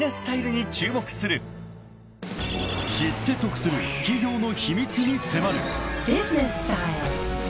［知って得する企業の秘密に迫る］